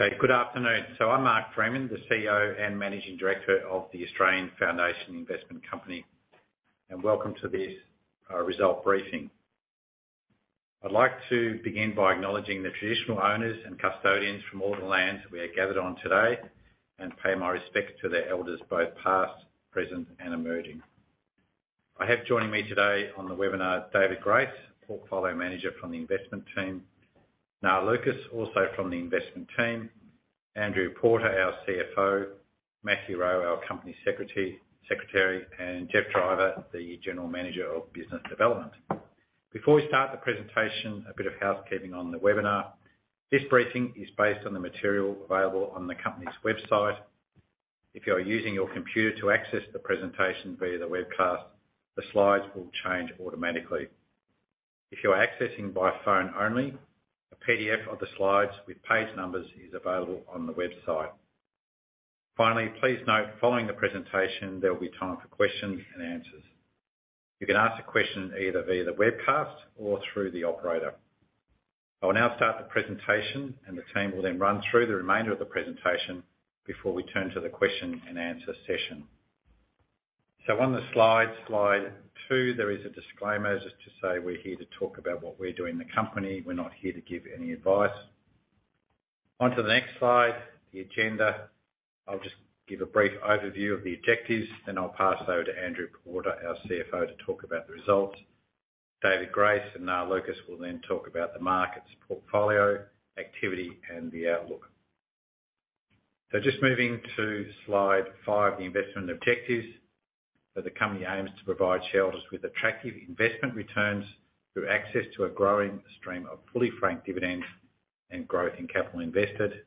Okay, good afternoon. I'm Mark Freeman, the CEO and Managing Director of the Australian Foundation Investment Company, and welcome to this result briefing. I'd like to begin by acknowledging the traditional owners and custodians from all the lands we are gathered on today and pay my respects to their elders, both past, present, and emerging. I have joining me today on the webinar, David Grace, Portfolio Manager from the investment team, Niall Lucas, also from the investment team, Andrew Porter, our CFO, Matthew Rowe, our Company Secretary, and Geoff Driver, the General Manager of Business Development. Before we start the presentation, a bit of housekeeping on the webinar. This briefing is based on the material available on the company's website. If you are using your computer to access the presentation via the webcast, the slides will change automatically. If you are accessing by phone only, a PDF of the slides with page numbers is available on the website. Finally, please note, following the presentation, there'll be time for questions and answers. You can ask a question either via the webcast or through the operator. I will now start the presentation, and the team will then run through the remainder of the presentation before we turn to the question-and-answer session. On the slide 2, there is a disclaimer just to say we're here to talk about what we do in the company. We're not here to give any advice. On to the next slide, the agenda. I'll just give a brief overview of the objectives, then I'll pass over to Andrew Porter, our CFO, to talk about the results. David Grace and Niall Lucas will then talk about the markets portfolio activity and the outlook. Just moving to slide five, the investment objectives. The company aims to provide shareholders with attractive investment returns through access to a growing stream of fully franked dividends and growth in capital invested.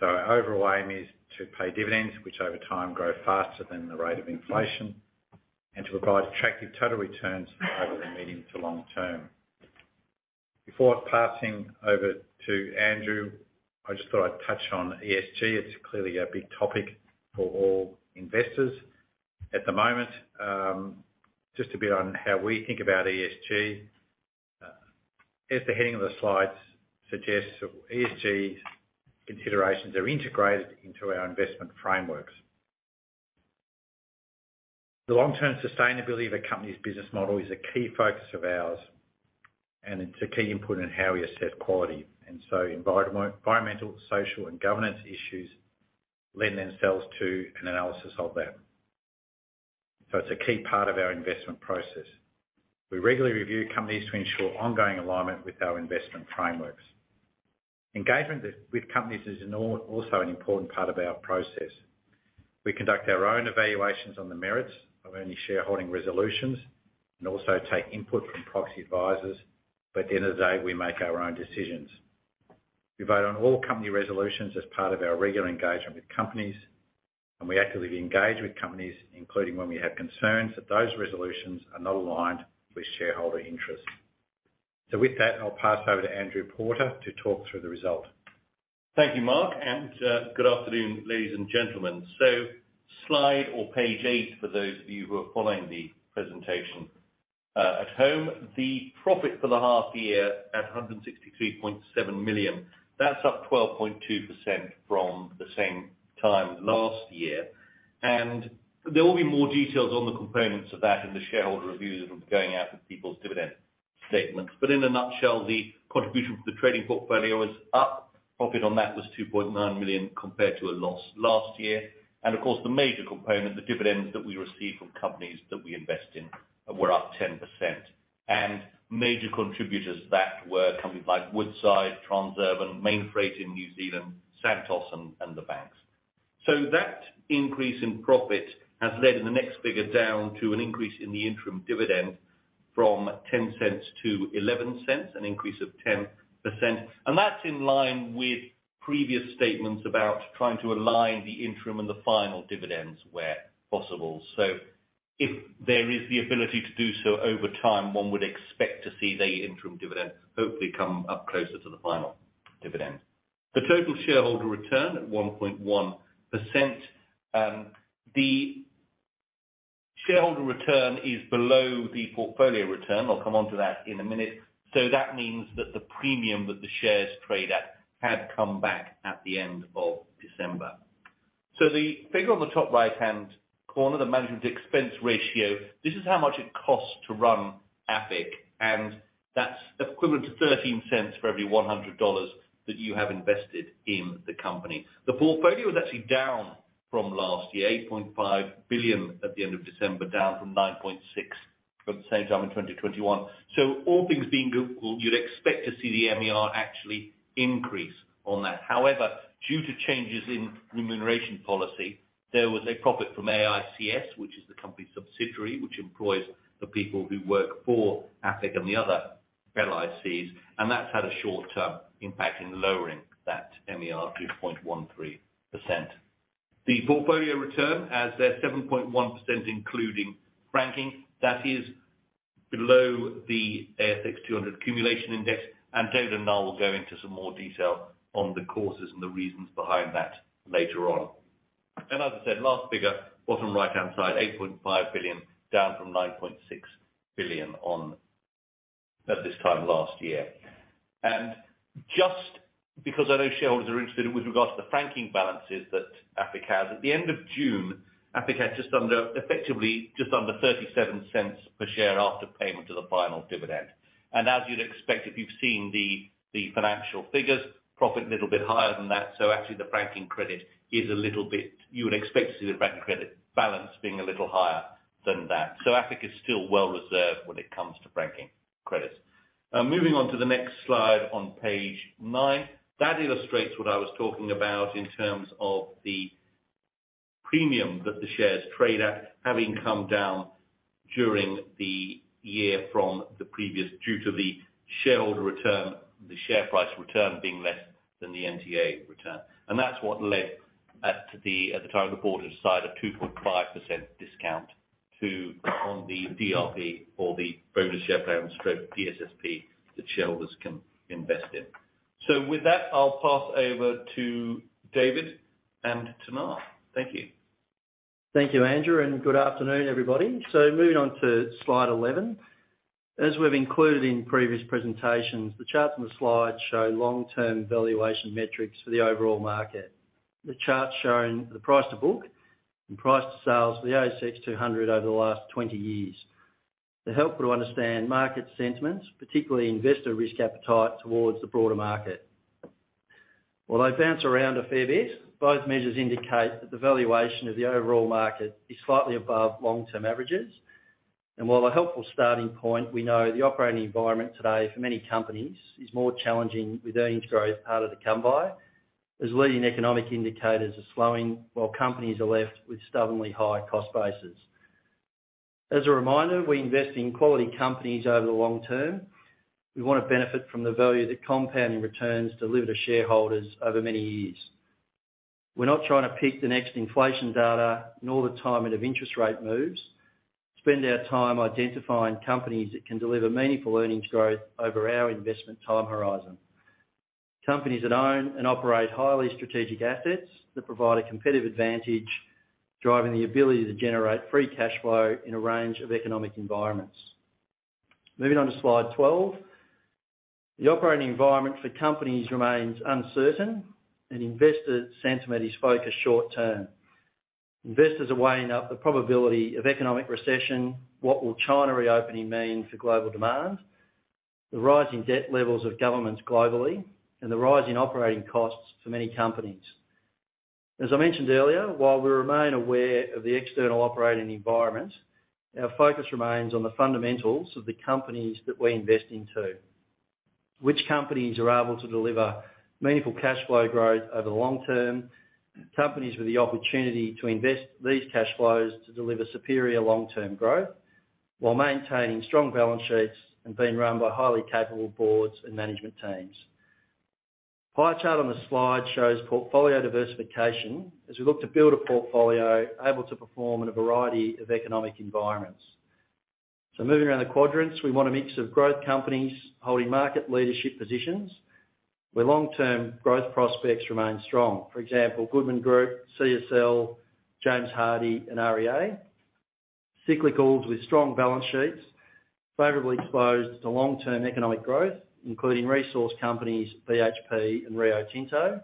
Our overall aim is to pay dividends, which over time grow faster than the rate of inflation, and to provide attractive total returns over the medium to long term. Before passing over to Andrew, I just thought I'd touch on ESG. It's clearly a big topic for all investors. At the moment, just a bit on how we think about ESG. As the heading of the slides suggests, ESG considerations are integrated into our investment frameworks. The long-term sustainability of a company's business model is a key focus of ours, and it's a key input in how we assess quality. Environmental, social and governance issues lend themselves to an analysis of that. It's a key part of our investment process. We regularly review companies to ensure ongoing alignment with our investment frameworks. Engagement with companies is also an important part of our process. We conduct our own evaluations on the merits of any shareholding resolutions and also take input from proxy advisors, but at the end of the day, we make our own decisions. We vote on all company resolutions as part of our regular engagement with companies, and we actively engage with companies, including when we have concerns that those resolutions are not aligned with shareholder interests. With that, I'll pass over to Andrew Porter to talk through the results. Thank you, Mark, and good afternoon, ladies and gentlemen. Slide or page 8 for those of you who are following the presentation at home. The profit for the half year at 163.7 million, that's up 12.2% from the same time last year. There will be more details on the components of that in the shareholder review that will be going out with people's dividend statements. In a nutshell, the contribution from the trading portfolio is up. Profit on that was 2.9 million compared to a loss last year. Of course, the major component, the dividends that we receive from companies that we invest in were up 10%. Major contributors to that were companies like Woodside, Transurban, Mainfreight in New Zealand, Santos and the banks. That increase in profit has led in the next figure down to an increase in the interim dividend from 0.10 to 0.11, an increase of 10%. That's in line with previous statements about trying to align the interim and the final dividends where possible. If there is the ability to do so over time, one would expect to see the interim dividend hopefully come up closer to the final dividend. The total shareholder return at 1.1%, the shareholder return is below the portfolio return. I'll come onto that in a minute. That means that the premium that the shares trade at had come back at the end of December. The figure on the top right-hand corner, the management expense ratio, this is how much it costs to run AFIC, and that's equivalent to 0.13 for every 100 dollars that you have invested in the company. The portfolio is actually down from last year, 8.5 billion at the end of December, down from 9.6 billion at the same time in 2021. All things being good, you'd expect to see the MER actually increase on that. However, due to changes in remuneration policy, there was a profit from AICS, which is the company's subsidiary, which employs the people who work for AFIC and the other LICs, and that's had a short-term impact in lowering that MER to 0.13%. The portfolio return, as there, 7.1%, including franking, that is below the ASX 200 Accumulation Index. David and Niall will go into some more detail on the causes and the reasons behind that later on. As I said, last figure, bottom right-hand side, 8.5 billion, down from 9.6 billion at this time last year. Just because I know shareholders are interested with regards to the franking balances that AFIC has. At the end of June, AFIC had just under, effectively, just under 0.37 per share after payment of the final dividend. As you'd expect, if you've seen the financial figures, profit a little bit higher than that. Actually the franking credit is. You would expect to see the franking credit balance being a little higher than that. AFIC is still well reserved when it comes to franking credits. Moving on to the next slide on page 9. That illustrates what I was talking about in terms of the premium that the shares trade at, having come down during the year from the previous due to the shareholder return, the share price return being less than the NTA return. That's what led at the time the board decided a 2.5% discount to, on the DRP or the bonus share plan/DSSP that shareholders can invest in. With that, I'll pass over to David and to Mark. Thank you. Thank you, Andrew. Good afternoon, everybody. Moving on to slide 11. As we've included in previous presentations, the charts on the slide show long-term valuation metrics for the overall market. The chart showing the price-to-book and price-to-sales for the ASX 200 over the last 20 years. To help you understand market sentiments, particularly investor risk appetite towards the broader market. While they bounce around a fair bit, both measures indicate that the valuation of the overall market is slightly above long-term averages. While a helpful starting point, we know the operating environment today for many companies is more challenging with earnings growth harder to come by as leading economic indicators are slowing while companies are left with stubbornly high cost bases. As a reminder, we invest in quality companies over the long term. We wanna benefit from the value that compounding returns deliver to shareholders over many years. We're not trying to pick the next inflation data nor the timing of interest rate moves. Spend our time identifying companies that can deliver meaningful earnings growth over our investment time horizon. Companies that own and operate highly strategic assets that provide a competitive advantage, driving the ability to generate free cash flow in a range of economic environments. Moving on to slide 12. The operating environment for companies remains uncertain and investor sentiment is focused short term. Investors are weighing up the probability of economic recession, what will China reopening mean for global demand, the rising debt levels of governments globally, and the rise in operating costs for many companies. As I mentioned earlier, while we remain aware of the external operating environment, our focus remains on the fundamentals of the companies that we invest into. Which companies are able to deliver meaningful cash flow growth over the long term, companies with the opportunity to invest these cash flows to deliver superior long-term growth while maintaining strong balance sheets and being run by highly capable boards and management teams. Pie chart on the slide shows portfolio diversification as we look to build a portfolio able to perform in a variety of economic environments. Moving around the quadrants, we want a mix of growth companies holding market leadership positions, where long-term growth prospects remain strong. For example, Goodman Group, CSL, James Hardie and REA. Cyclicals with strong balance sheets favorably exposed to long-term economic growth, including resource companies, BHP and Rio Tinto.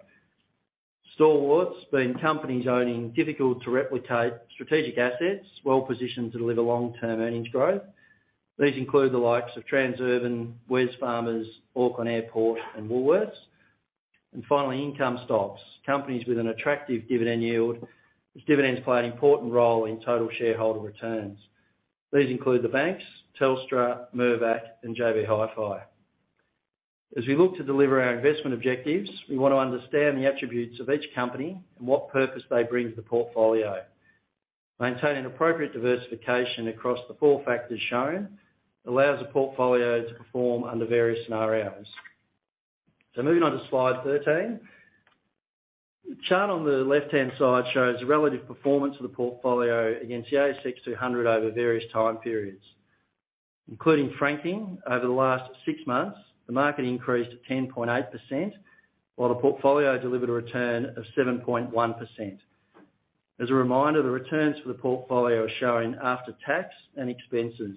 Stalwarts being companies owning difficult-to-replicate strategic assets, well-positioned to deliver long-term earnings growth. These include the likes of Transurban, Wesfarmers, Auckland Airport and Woolworths. Finally, income stocks, companies with an attractive dividend yield, as dividends play an important role in total shareholder returns. These include the banks, Telstra, Mirvac and JB Hi-Fi. As we look to deliver our investment objectives, we want to understand the attributes of each company and what purpose they bring to the portfolio. Maintaining appropriate diversification across the four factors shown allows the portfolio to perform under various scenarios. Moving on to slide 13. The chart on the left-hand side shows the relative performance of the portfolio against the ASX 200 over various time periods. Including franking, over the last six months, the market increased 10.8%, while the portfolio delivered a return of 7.1%. As a reminder, the returns for the portfolio are shown after tax and expenses.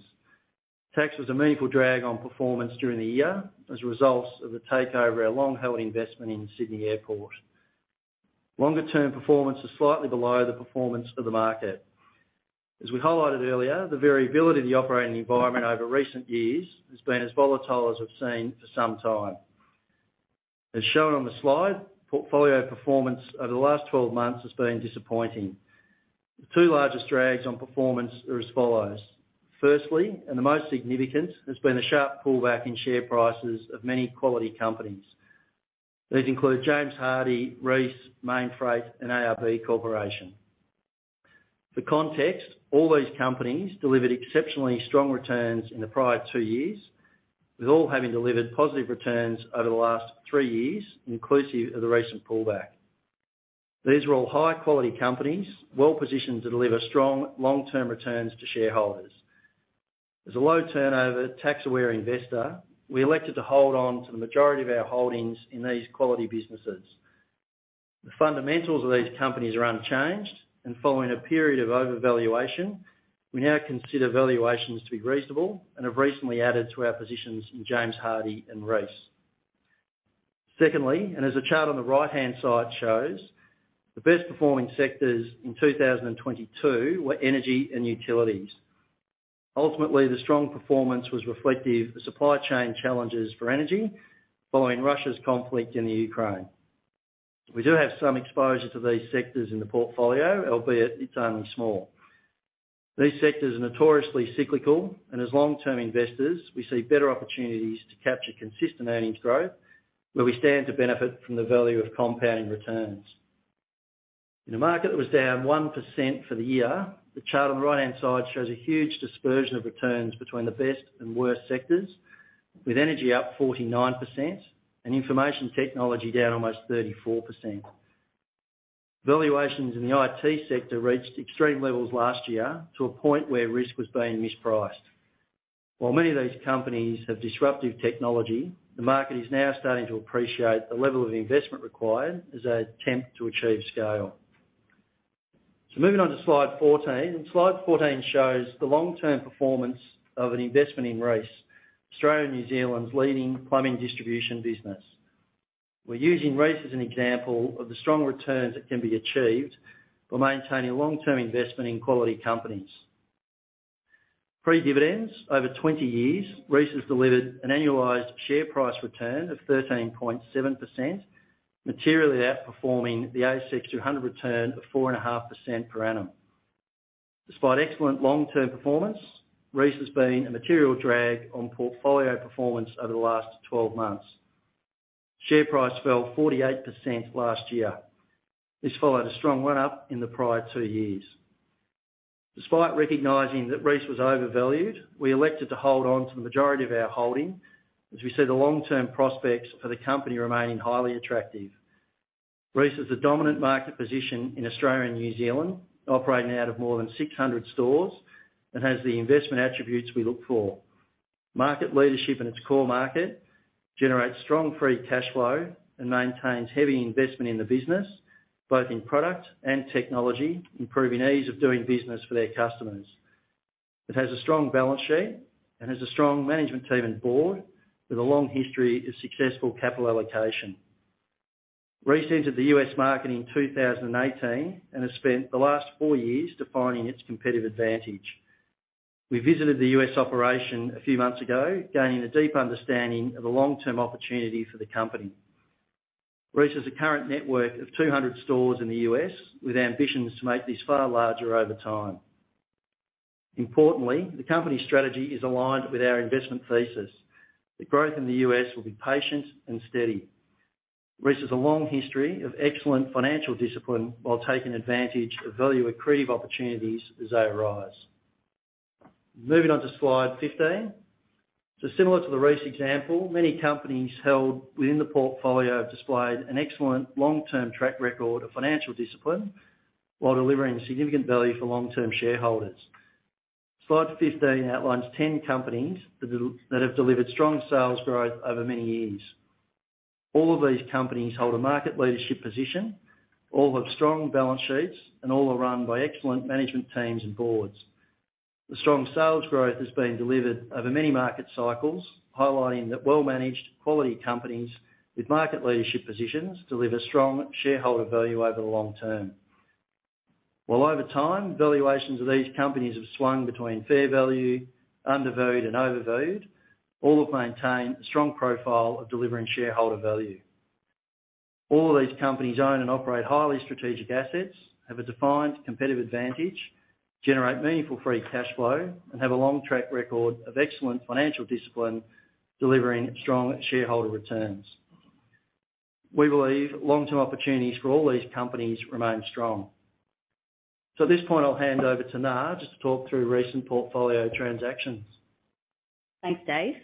Tax was a meaningful drag on performance during the year as a result of the takeover of long-held investment in Sydney Airport. Longer-term performance is slightly below the performance of the market. As we highlighted earlier, the variability of the operating environment over recent years has been as volatile as we've seen for some time. As shown on the slide, portfolio performance over the last 12 months has been disappointing. The 2 largest drags on performance are as follows. Firstly, and the most significant, has been a sharp pullback in share prices of many quality companies. These include James Hardie, Reece, Mainfreight and ARB Corporation. For context, all these companies delivered exceptionally strong returns in the prior 2 years, with all having delivered positive returns over the last 3 years, inclusive of the recent pullback. These are all high quality companies, well-positioned to deliver strong long-term returns to shareholders. As a low turnover, tax-aware investor, we elected to hold on to the majority of our holdings in these quality businesses. The fundamentals of these companies are unchanged, and following a period of overvaluation, we now consider valuations to be reasonable and have recently added to our positions in James Hardie and Reece. Secondly, as the chart on the right-hand side shows, the best performing sectors in 2022 were energy and utilities. Ultimately, the strong performance was reflective of supply chain challenges for energy following Russia's conflict in the Ukraine. We do have some exposure to these sectors in the portfolio, albeit it's only small. These sectors are notoriously cyclical. As long-term investors, we see better opportunities to capture consistent earnings growth where we stand to benefit from the value of compounding returns. In a market that was down 1% for the year, the chart on the right-hand side shows a huge dispersion of returns between the best and worst sectors, with energy up 49% and information technology down almost 34%. Valuations in the IT sector reached extreme levels last year to a point where risk was being mispriced. While many of these companies have disruptive technology, the market is now starting to appreciate the level of investment required as they attempt to achieve scale. Moving on to slide 14. Slide 14 shows the long-term performance of an investment in Reece, Australia and New Zealand's leading plumbing distribution business. We're using Reece as an example of the strong returns that can be achieved by maintaining long-term investment in quality companies. Pre-dividends over 20 years, Reece has delivered an annualized share price return of 13.7%, materially outperforming the ASX 200 return of 4.5% per annum. Despite excellent long-term performance, Reece has been a material drag on portfolio performance over the last 12 months. Share price fell 48% last year. This followed a strong one-up in the prior two years. Despite recognizing that Reece was overvalued, we elected to hold on to the majority of our holding as we see the long-term prospects for the company remaining highly attractive. Reece has a dominant market position in Australia and New Zealand, operating out of more than 600 stores, and has the investment attributes we look for. Market leadership in its core market generates strong free cash flow and maintains heavy investment in the business, both in product and technology, improving ease of doing business for their customers. It has a strong balance sheet and has a strong management team and board with a long history of successful capital allocation. Reece entered the U.S. market in 2018 and has spent the last 4 years defining its competitive advantage. We visited the U.S. operation a few months ago, gaining a deep understanding of the long-term opportunity for the company. Reece has a current network of 200 stores in the U.S., with ambitions to make this far larger over time. Importantly, the company strategy is aligned with our investment thesis. The growth in the U.S. will be patient and steady, raises a long history of excellent financial discipline while taking advantage of value accretive opportunities as they arise. Moving on to slide 15. Similar to the Reece example, many companies held within the portfolio have displayed an excellent long-term track record of financial discipline while delivering significant value for long-term shareholders. Slide 15 outlines 10 companies that have delivered strong sales growth over many years. All of these companies hold a market leadership position, all have strong balance sheets, and all are run by excellent management teams and boards. The strong sales growth has been delivered over many market cycles, highlighting that well-managed quality companies with market leadership positions deliver strong shareholder value over the long term. While over time, valuations of these companies have swung between fair value, undervalued, and overvalued, all have maintained a strong profile of delivering shareholder value. All of these companies own and operate highly strategic assets, have a defined competitive advantage, generate meaningful free cash flow, and have a long track record of excellent financial discipline, delivering strong shareholder returns. We believe long-term opportunities for all these companies remain strong. At this point, I'll hand over to Nga, just to talk through recent portfolio transactions. Thanks, Dave.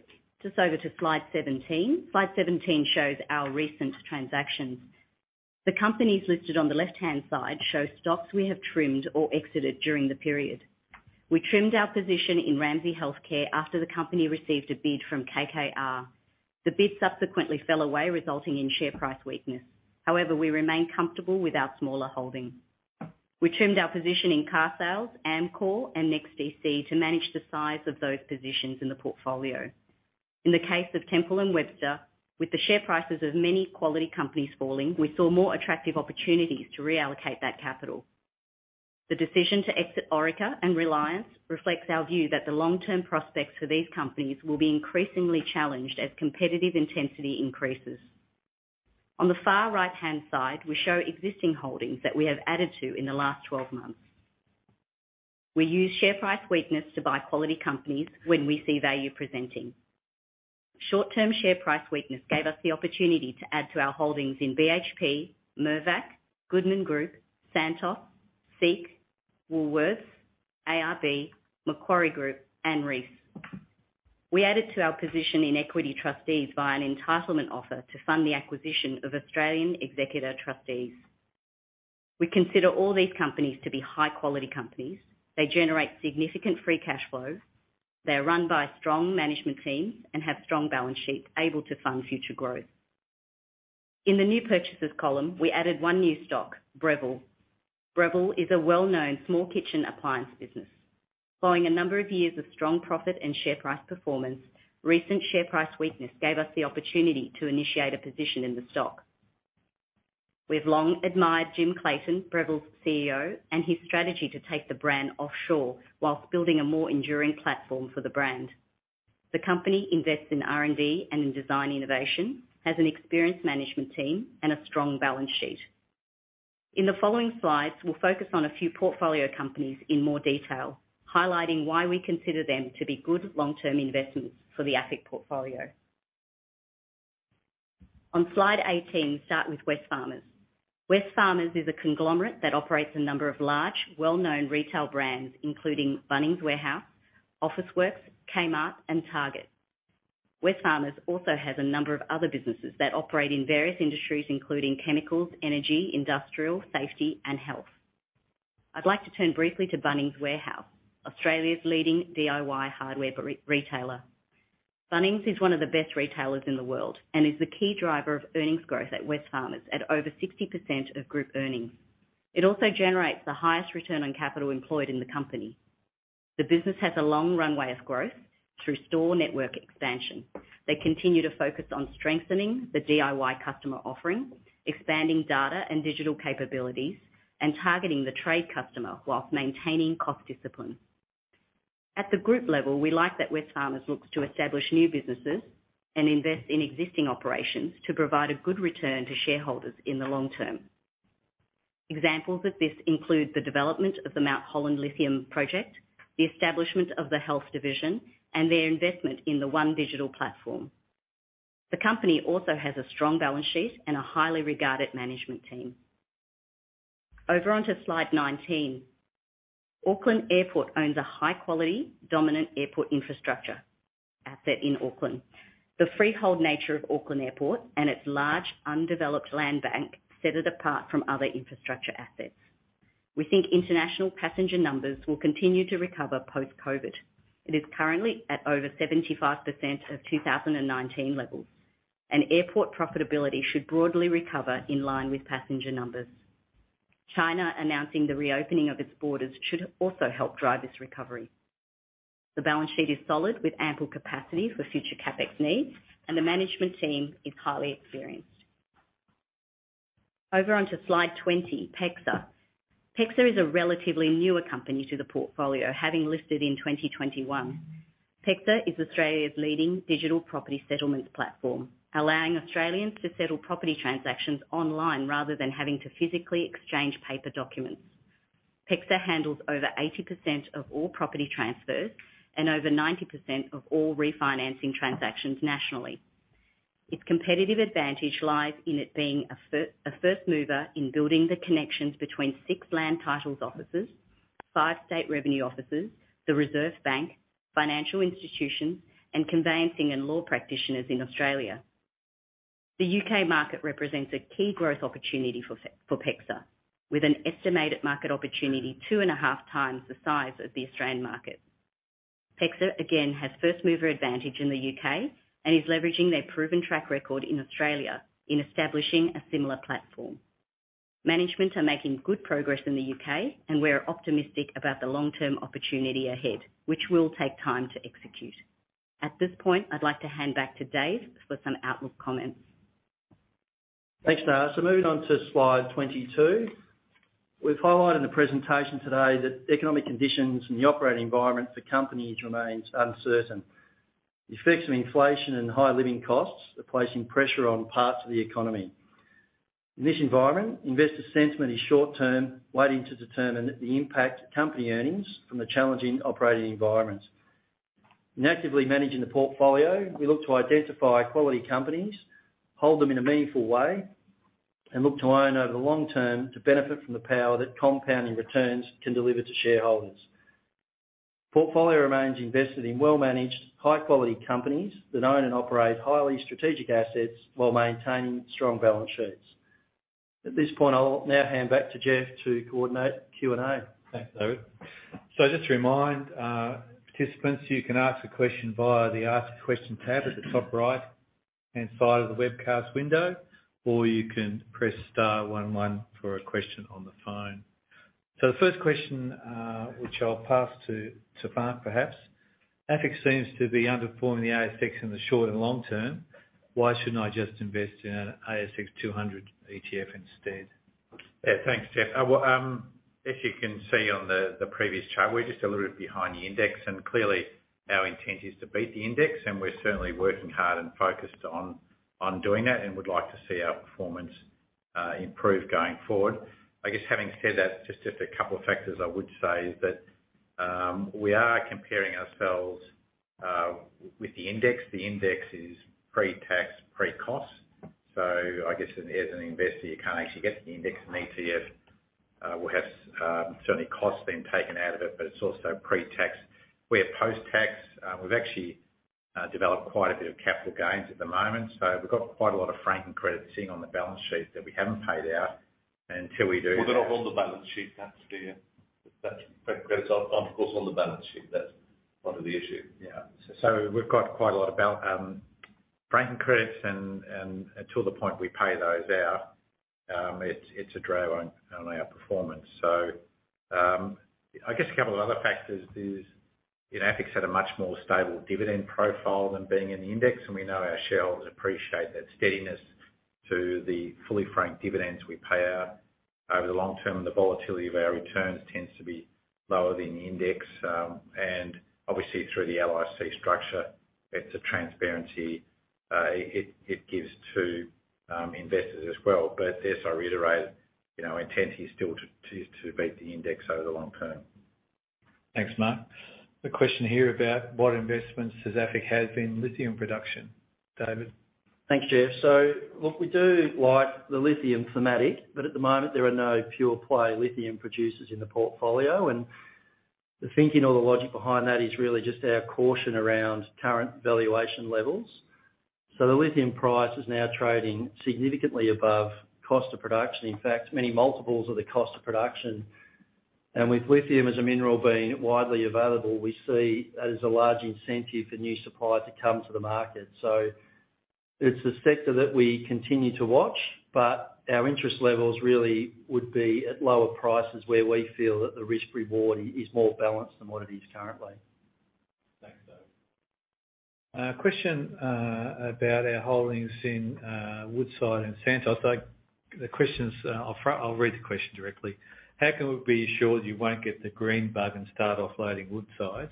Just over to slide 17. Slide 17 shows our recent transactions. The companies listed on the left-hand side show stocks we have trimmed or exited during the period. We trimmed our position in Ramsay Health Care after the company received a bid from KKR. The bid subsequently fell away, resulting in share price weakness. However, we remain comfortable with our smaller holding. We trimmed our position in Carsales, Amcor, and NEXTDC to manage the size of those positions in the portfolio. In the case of Temple & Webster, with the share prices of many quality companies falling, we saw more attractive opportunities to reallocate that capital. The decision to exit Orica and Reliance reflects our view that the long-term prospects for these companies will be increasingly challenged as competitive intensity increases. On the far right-hand side, we show existing holdings that we have added to in the last 12 months. We use share price weakness to buy quality companies when we see value presenting. Short-term share price weakness gave us the opportunity to add to our holdings in BHP, Mirvac, Goodman Group, Santos, SEEK, Woolworths, ARB, Macquarie Group, and Reece. We added to our position in Equity Trustees via an entitlement offer to fund the acquisition of Australian Executor Trustees. We consider all these companies to be high-quality companies. They generate significant free cash flow. They are run by strong management teams and have strong balance sheets able to fund future growth. In the new purchases column, we added one new stock, Breville. Breville is a well-known small kitchen appliance business. Following a number of years of strong profit and share price performance, recent share price weakness gave us the opportunity to initiate a position in the stock. We've long admired Jim Clayton, Breville's CEO, and his strategy to take the brand offshore whilst building a more enduring platform for the brand. The company invests in R&D and in design innovation, has an experienced management team and a strong balance sheet. In the following slides, we'll focus on a few portfolio companies in more detail, highlighting why we consider them to be good long-term investments for the AFIC portfolio. On slide 18, we start with Wesfarmers. Wesfarmers is a conglomerate that operates a number of large, well-known retail brands, including Bunnings Warehouse, Officeworks, Kmart and Target. Wesfarmers also has a number of other businesses that operate in various industries, including chemicals, energy, industrial, safety and health. I'd like to turn briefly to Bunnings Warehouse, Australia's leading DIY hardware re-retailer. Bunnings is one of the best retailers in the world and is the key driver of earnings growth at Wesfarmers at over 60% of group earnings. It also generates the highest return on capital employed in the company. The business has a long runway of growth through store network expansion. They continue to focus on strengthening the DIY customer offering, expanding data and digital capabilities, and targeting the trade customer whilst maintaining cost discipline. At the group level, we like that Wesfarmers looks to establish new businesses and invest in existing operations to provide a good return to shareholders in the long term. Examples of this include the development of the Mount Holland lithium project, the establishment of the health division, and their investment in the OneDigital platform. The company also has a strong balance sheet and a highly regarded management team. Over onto slide 19. Auckland Airport owns a high-quality, dominant airport infrastructure asset in Auckland. The freehold nature of Auckland Airport and its large undeveloped land bank set it apart from other infrastructure assets. We think international passenger numbers will continue to recover post-COVID. It is currently at over 75% of 2019 levels, and airport profitability should broadly recover in line with passenger numbers. China announcing the reopening of its borders should also help drive this recovery. The balance sheet is solid with ample capacity for future CapEx needs, and the management team is highly experienced. Over onto slide 20, PEXA. PEXA is a relatively newer company to the portfolio, having listed in 2021. PEXA is Australia's leading digital property settlements platform, allowing Australians to settle property transactions online rather than having to physically exchange paper documents. PEXA handles over 80% of all property transfers and over 90% of all refinancing transactions nationally. Its competitive advantage lies in it being a first mover in building the connections between 6 land titles offices, 5 state revenue offices, the Reserve Bank, financial institutions, and conveyancing and law practitioners in Australia. The U.K. market represents a key growth opportunity for PEXA, with an estimated market opportunity 2 and a half times the size of the Australian market. PEXA again has first mover advantage in the U.K. and is leveraging their proven track record in Australia in establishing a similar platform. Management are making good progress in the UK and we're optimistic about the long-term opportunity ahead, which will take time to execute. At this point, I'd like to hand back to Dave for some outlook comments. Thanks, Nga. Moving on to slide 22. We've highlighted in the presentation today that economic conditions and the operating environment for companies remains uncertain. The effects of inflation and high living costs are placing pressure on parts of the economy. In this environment, investor sentiment is short term, waiting to determine the impact to company earnings from the challenging operating environments. In actively managing the portfolio, we look to identify quality companies, hold them in a meaningful way, and look to own over the long term to benefit from the power that compounding returns can deliver to shareholders. Portfolio remains invested in well-managed, high-quality companies that own and operate highly strategic assets while maintaining strong balance sheets. At this point, I'll now hand back to Geoff to coordinate the Q&A. Thanks, David. Just to remind participants, you can ask a question via the Ask a Question tab at the top right-hand side of the webcast window, or you can press star 11 for a question on the phone. The first question, which I'll pass to Mark, perhaps. AFIC seems to be underperforming the ASX in the short and long term. Why shouldn't I just invest in an ASX 200 ETF instead? Yeah, thanks, Geoff. Well, as you can see on the previous chart, we're just a little bit behind the index. Clearly our intent is to beat the index. We're certainly working hard and focused on doing that and would like to see our performance improve going forward. I guess having said that, just a couple of factors I would say is that we are comparing ourselves with the index. The index is pre-tax, pre-cost. I guess as an investor, you can't actually get to the index in ETF. We'll have certainly costs being taken out of it. It's also pre-tax. We're post-tax. We've actually. develop quite a bit of capital gains at the moment. We've got quite a lot of franking credit sitting on the balance sheet that we haven't paid out. They're not on the balance sheet, that's franking credits aren't, of course, on the balance sheet. That's part of the issue. We've got quite a lot of franking credits, and until the point we pay those out, it's a drag on our performance. I guess a couple of other factors is, you know, AFIC's had a much more stable dividend profile than being in the index, and we know our shareholders appreciate that steadiness through the fully franked dividends we pay out over the long term. The volatility of our returns tends to be lower than the index, and obviously through the LIC structure, it's a transparency. It gives to investors as well. Yes, I reiterate, you know, our intent is still to beat the index over the long term. Thanks, Mark. The question here about what investments does AFIC has been lithium production? David? Thanks, Geoff. Look, we do like the lithium thematic, but at the moment, there are no pure play lithium producers in the portfolio. The thinking or the logic behind that is really just our caution around current valuation levels. The lithium price is now trading significantly above cost of production, in fact, many multiples of the cost of production. With lithium as a mineral being widely available, we see that as a large incentive for new supply to come to the market. It's a sector that we continue to watch, but our interest levels really would be at lower prices where we feel that the risk/reward is more balanced than what it is currently. Thanks, David. question about our holdings in Woodside and Santos. The question is, I'll read the question directly. How can we be assured you won't get the green bug and start offloading Woodside?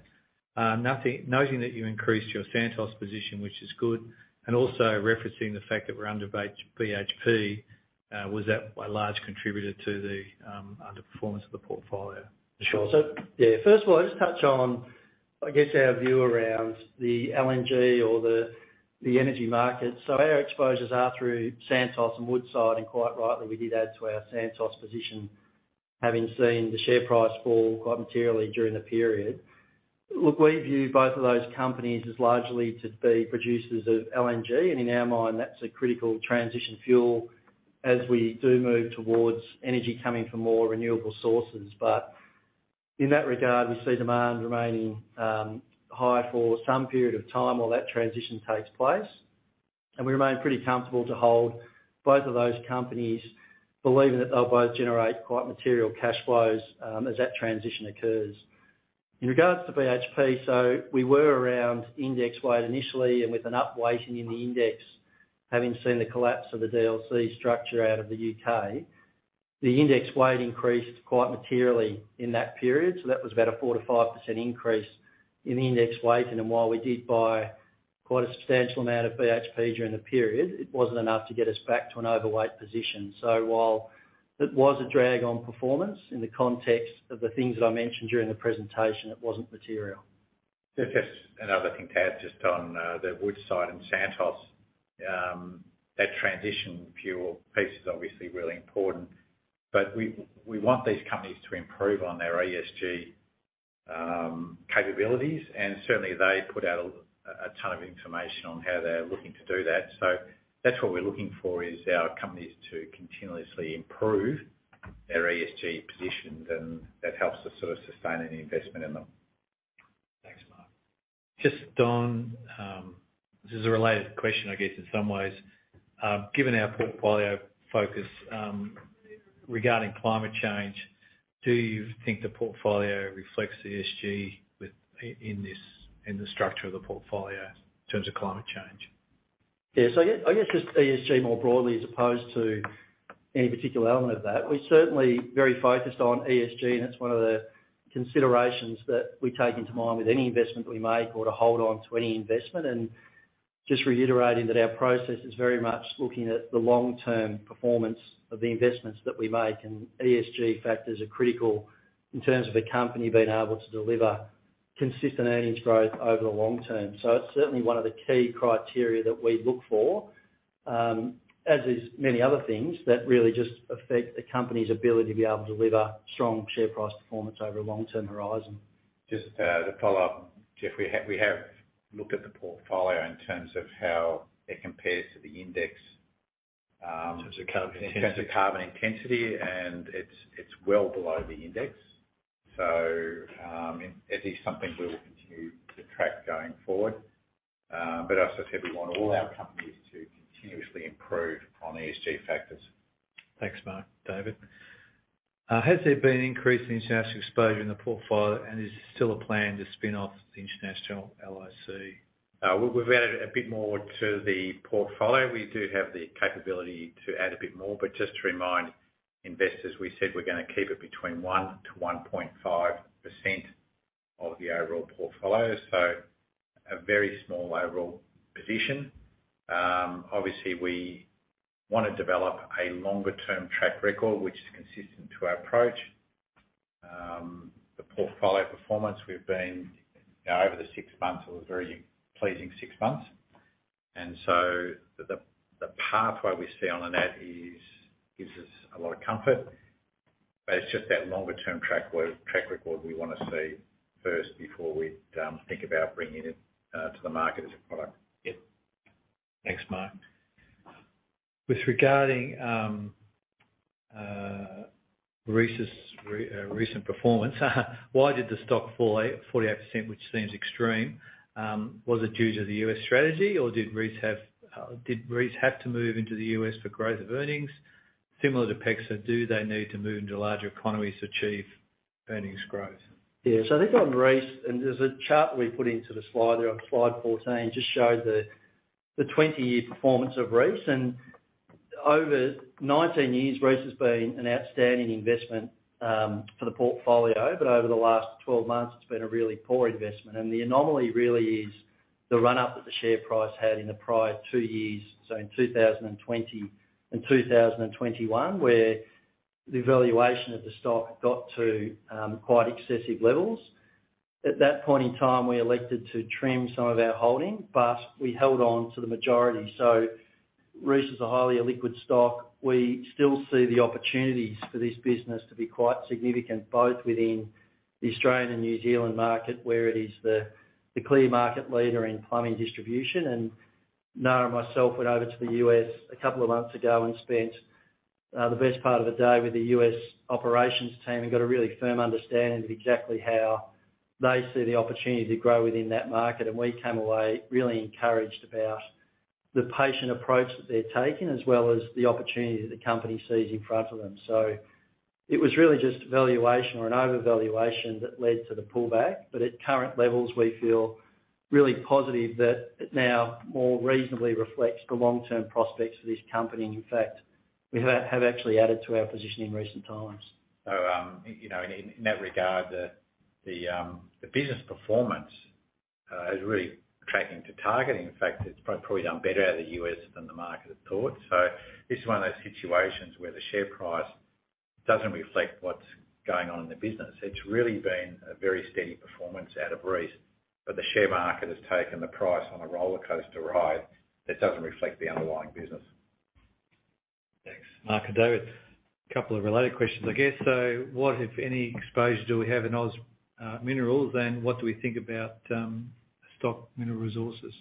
noting that you increased your Santos position, which is good, and also referencing the fact that we're under BHP, was that a large contributor to the underperformance of the portfolio? Sure. First of all, I'll just touch on, I guess, our view around the LNG or the energy market. Our exposures are through Santos and Woodside, and quite rightly, we did add to our Santos position, having seen the share price fall quite materially during the period. Look, we view both of those companies as largely to be producers of LNG, and in our mind, that's a critical transition fuel as we do move towards energy coming from more renewable sources. In that regard, we see demand remaining high for some period of time while that transition takes place. We remain pretty comfortable to hold both of those companies, believing that they'll both generate quite material cash flows as that transition occurs. In regards to BHP, we were around index weight initially and with an upweighting in the index, having seen the collapse of the DLC structure out of the U.K. The index weight increased quite materially in that period, that was about a 4%-5% increase in index weighting. While we did buy quite a substantial amount of BHP during the period, it wasn't enough to get us back to an overweight position. While it was a drag on performance in the context of the things that I mentioned during the presentation, it wasn't material. Just another thing to add just on the Woodside and Santos. That transition fuel piece is obviously really important, but we want these companies to improve on their ESG capabilities, and certainly, they put out a ton of information on how they're looking to do that. That's what we're looking for, is our companies to continuously improve their ESG position, and that helps us sort of sustain any investment in them. Thanks, Mark. Just on, this is a related question, I guess, in some ways. Given our portfolio focus, regarding climate change, do you think the portfolio reflects ESG in this, in the structure of the portfolio in terms of climate change? Yes. I guess just ESG more broadly, as opposed to any particular element of that. We're certainly very focused on ESG, and it's one of the considerations that we take into mind with any investment we make or to hold on to any investment. Just reiterating that our process is very much looking at the long-term performance of the investments that we make. ESG factors are critical in terms of the company being able to deliver consistent earnings growth over the long term. It's certainly one of the key criteria that we look for, as is many other things that really just affect the company's ability to be able to deliver strong share price performance over a long-term horizon. Just, to follow up, Geoff, we have looked at the portfolio in terms of how it compares to the index. In terms of carbon intensity. ...in terms of carbon intensity, and it's well below the index. It is something we will continue to track going forward. As I said, we want all our companies to continuously improve on ESG factors. Thanks, Mark. David, has there been an increase in international exposure in the portfolio, and is there still a plan to spin off the international LIC? We've added a bit more to the portfolio. We do have the capability to add a bit more, but just to remind investors, we said we're gonna keep it between 1% to 1.5% of the overall portfolio, so a very small overall position. Obviously, we wanna develop a longer-term track record, which is consistent to our approach. The portfolio performance, we've been over the 6 months, it was a very pleasing 6 months. The pathway we see on that is, gives us a lot of comfort. It's just that longer-term track record we wanna see first before we think about bringing it to the market as a product. Yep. Thanks, Mark. With regarding Reece's recent performance, why did the stock fall 48%, which seems extreme? Was it due to the U.S. strategy, or did Reece have to move into the U.S. for growth of earnings? Similar to PEXA, do they need to move into larger economies to achieve earnings growth? Yeah. On Reece, there's a chart we put into the slide there on slide 14, just shows the 20-year performance of Reece. Over 19 years, Reece has been an outstanding investment for the portfolio. Over the last 12 months, it's been a really poor investment. The anomaly really is the run up that the share price had in the prior 2 years, so in 2020 and 2021, where the valuation of the stock got to quite excessive levels. At that point in time, we elected to trim some of our holding, but we held on to the majority. Reece is a highly liquid stock. We still see the opportunities for this business to be quite significant, both within the Australian and New Zealand market, where it is the clear market leader in plumbing distribution. Nara and myself went over to the US a couple of months ago and spent the best part of the day with the US operations team and got a really firm understanding of exactly how they see the opportunity to grow within that market. We came away really encouraged about the patient approach that they're taking, as well as the opportunity that the company sees in front of them. It was really just valuation or an overvaluation that led to the pullback. At current levels, we feel really positive that it now more reasonably reflects the long-term prospects for this company. In fact, we have actually added to our position in recent times. You know, in that regard, the business performance is really tracking to targeting. In fact, it's probably done better out of the U.S. than the market had thought. This is one of those situations where the share price doesn't reflect what's going on in the business. It's really been a very steady performance out of Reece, but the share market has taken the price on a rollercoaster ride that doesn't reflect the underlying business. Thanks, Mark and David. Couple of related questions, I guess. What, if any, exposure do we have in OZ Minerals, and what do we think about stock Mineral Resources?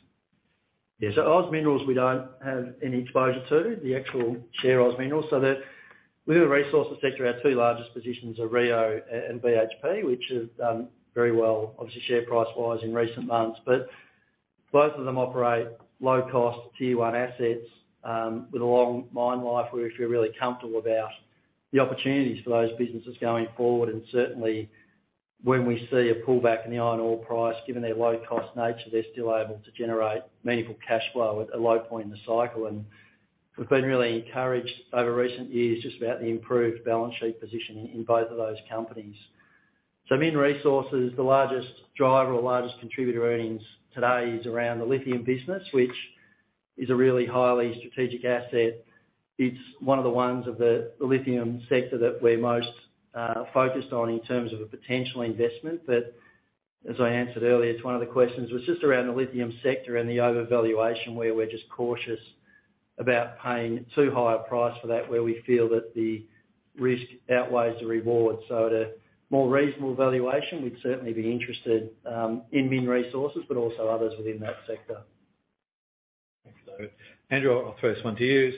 Oz Minerals, we don't have any exposure to the actual share Oz Minerals. Within the resources sector, our two largest positions are Rio and BHP, which have done very well, obviously, share price-wise in recent months. Both of them operate low-cost Tier 1 assets, with a long mine life, where we feel really comfortable about the opportunities for those businesses going forward. Certainly when we see a pullback in the iron ore price, given their low-cost nature, they're still able to generate meaningful cash flow at a low point in the cycle. We've been really encouraged over recent years just about the improved balance sheet positioning in both of those companies. Min Resources, the largest driver or largest contributor earnings today is around the lithium business, which is a really highly strategic asset. It's one of the ones of the lithium sector that we're most focused on in terms of a potential investment. As I answered earlier to one of the questions, was just around the lithium sector and the overvaluation where we're just cautious about paying too high a price for that, where we feel that the risk outweighs the reward. At a more reasonable valuation, we'd certainly be interested in Min Resources, but also others within that sector. Thanks, David. Andrew, I'll throw this one to you.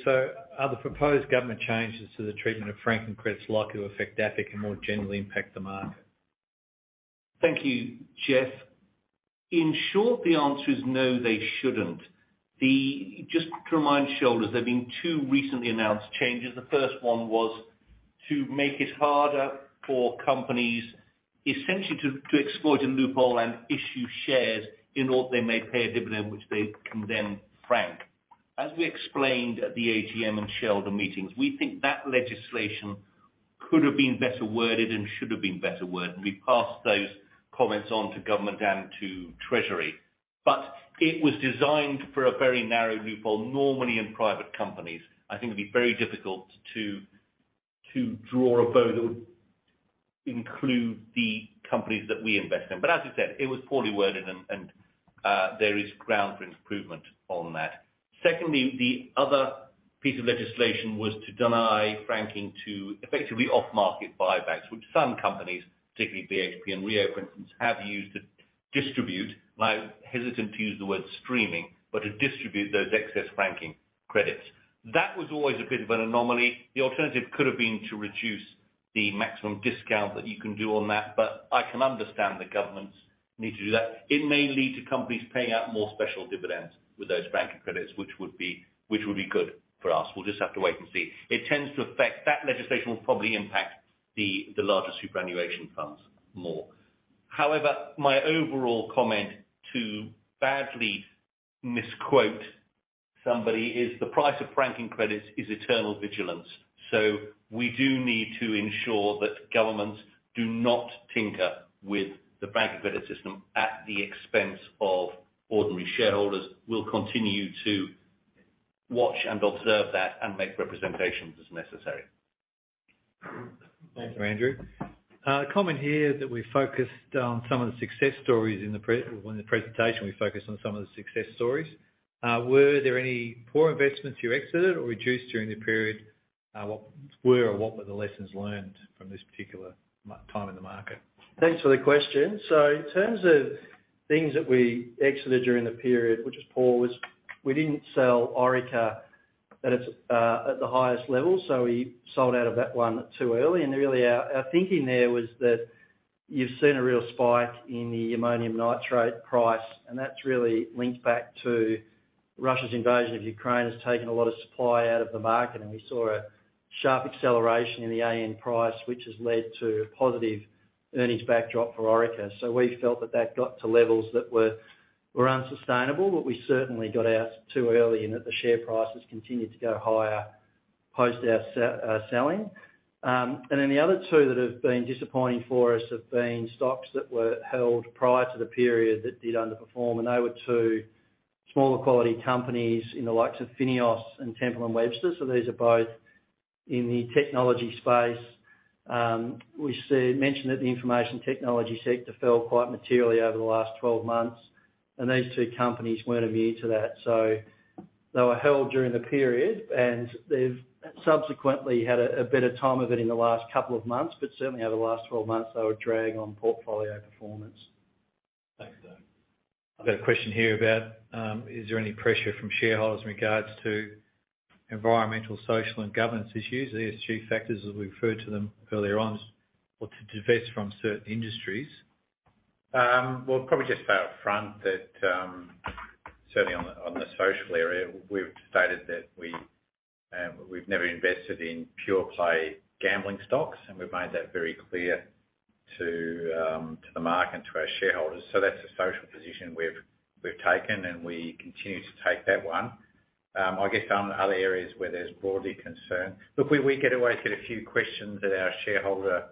Are the proposed government changes to the treatment of franking credits likely to affect APRA and more generally impact the market? Thank you, Geoff. In short, the answer is no, they shouldn't. Just to remind shareholders, there have been 2 recently announced changes. The first one was to make it harder for companies essentially to exploit a loophole and issue shares in order that they may pay a dividend which they can then frank. As we explained at the AGM and shareholder meetings, we think that legislation could have been better worded and should have been better worded. We passed those comments on to government and to The Treasury. It was designed for a very narrow loophole, normally in private companies. I think it'd be very difficult to draw a bow that would include the companies that we invest in. As you said, it was poorly worded and there is ground for improvement on that. The other piece of legislation was to deny franking to effectively off-market buybacks, which some companies, particularly BHP and Rio, for instance, have used to distribute. Hesitant to use the word streaming, but to distribute those excess franking credits. That was always a bit of an anomaly. The alternative could have been to reduce the maximum discount that you can do on that, but I can understand the government's need to do that. It may lead to companies paying out more special dividends with those franking credits, which would be good for us. We'll just have to wait and see. That legislation will probably impact the larger superannuation funds more. My overall comment, to badly misquote somebody, is the price of franking credits is eternal vigilance. We do need to ensure that governments do not tinker with the franking credit system at the expense of ordinary shareholders. We'll continue to watch and observe that and make representations as necessary. Thanks, Andrew. Well, in the presentation, we focused on some of the success stories. Were there any poor investments you exited or reduced during the period? What were the lessons learned from this particular time in the market? Thanks for the question. In terms of things that we exited during the period, which is poor, was we didn't sell Orica at the highest level, we sold out of that one too early. Really our thinking there was that you've seen a real spike in the ammonium nitrate price, and that's really linked back to Russia's invasion of Ukraine has taken a lot of supply out of the market. We saw a sharp acceleration in the AN price, which has led to positive earnings backdrop for Orica. We felt that that got to levels that were unsustainable, but we certainly got out too early, and that the share prices continued to go higher post our selling. The other 2 that have been disappointing for us have been stocks that were held prior to the period that did underperform, and they were 2 smaller quality companies in the likes of FINEOS and Temple & Webster. These are both in the technology space. We mentioned that the information technology sector fell quite materially over the last 12 months, and these 2 companies weren't immune to that. They were held during the period, and they've subsequently had a better time of it in the last 2 months. Certainly over the last 12 months, they were a drag on portfolio performance. Thanks, Dave. I've got a question here about, is there any pressure from shareholders in regards to environmental, social, and governance issues, ESG factors, as we referred to them earlier on, or to divest from certain industries? Well, probably just be upfront that, certainly on the social area, we've stated that we've never invested in pure play gambling stocks, and we've made that very clear to the market and to our shareholders. That's a social position we've taken, and we continue to take that one. I guess on other areas where there's broadly concern. Look, we get away with a few questions at our shareholder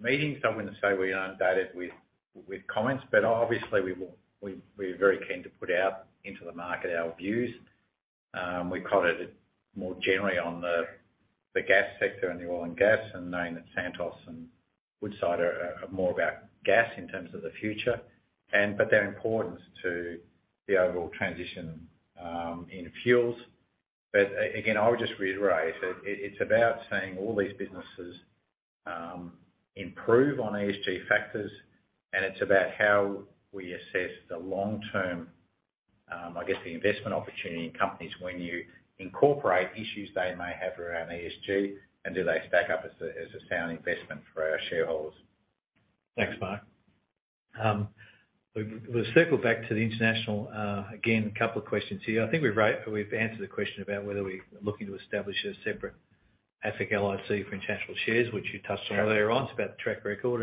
meetings. I wouldn't say we aren't updated with comments, but obviously we're very keen to put out into the market our views. We commented more generally on the gas sector and the oil and gas and knowing that Santos and Woodside are more about gas in terms of the future and, but their importance to the overall transition in fuels. Again, I would just reiterate that it's about seeing all these businesses improve on ESG factors, and it's about how we assess the long-term, I guess, the investment opportunity in companies when you incorporate issues they may have around ESG, and do they stack up as a sound investment for our shareholders. Thanks, Mark. We'll circle back to the international. Again, a couple of questions here. I think we've answered the question about whether we're looking to establish a separate AFIC LLC for international shares, which you touched on earlier on. It's about the track record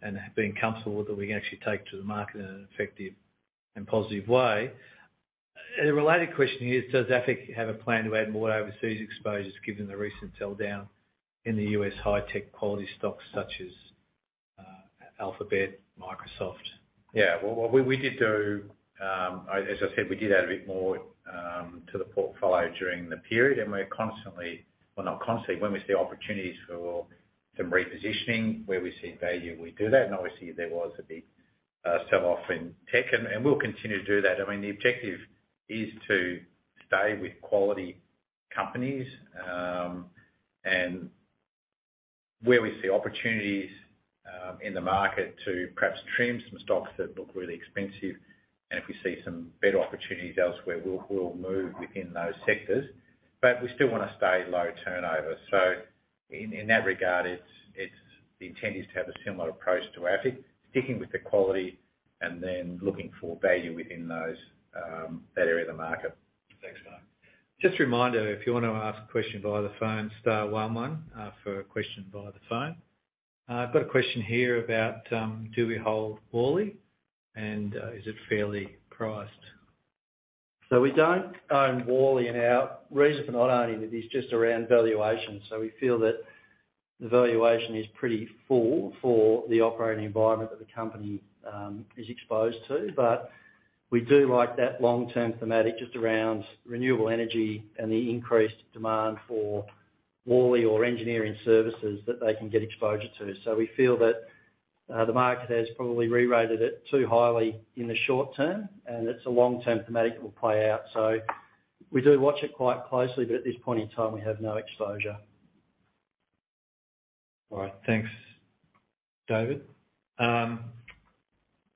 and being comfortable that we can actually take to the market in an effective and positive way. A related question here: Does AFIC have a plan to add more overseas exposures given the recent sell-down in the U.S. high-tech quality stocks such as, Alphabet, Microsoft? Yeah. Well, we did do, as I said, we did add a bit more to the portfolio during the period. We're constantly... Well, not constantly. When we see opportunities for some repositioning, where we see value, we do that, and obviously there was a big sell-off in tech, and we'll continue to do that. I mean, the objective is to stay with quality companies, and where we see opportunities in the market to perhaps trim some stocks that look really expensive, and if we see some better opportunities elsewhere, we'll move within those sectors. We still wanna stay low turnover. In that regard, it's the intent is to have a similar approach to AFIC, sticking with the quality and then looking for value within those, that area of the market. Thanks, Mark. Just a reminder, if you wanna ask a question via the phone, star one one, for a question via the phone. I've got a question here about, do we hold Worley and, is it fairly priced? We don't own Worley, and our reason for not owning it is just around valuation. We feel that the valuation is pretty full for the operating environment that the company is exposed to. We do like that long-term thematic just around renewable energy and the increased demand for Worley or engineering services that they can get exposure to. We feel that the market has probably rerated it too highly in the short term, and it's a long-term thematic that will play out. We do watch it quite closely, but at this point in time, we have no exposure. All right. Thanks, David.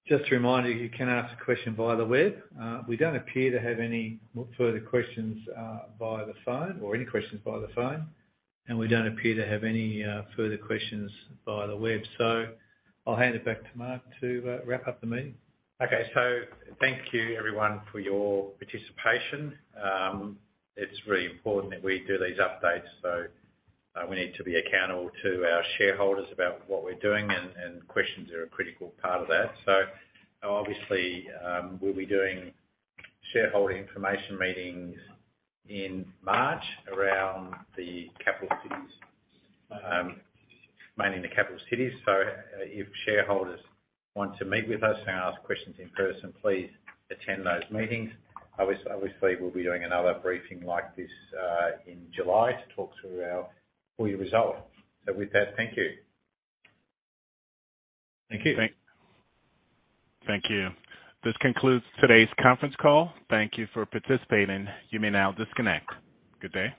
Just a reminder, you can ask a question via the web. We don't appear to have any further questions via the phone or any questions via the phone, and we don't appear to have any further questions via the web. I'll hand it back to Mark to wrap up the meeting. Okay. Thank you everyone for your participation. It's really important that we do these updates, so we need to be accountable to our shareholders about what we're doing and questions are a critical part of that. Obviously, we'll be doing shareholder information meetings in March around the capital cities, mainly in the capital cities. If shareholders want to meet with us and ask questions in person, please attend those meetings. Obviously, we'll be doing another briefing like this, in July to talk through our full year results. With that, thank you. Thank you. Thank you. This concludes today's conference call. Thank you for participating. You may now disconnect. Good day.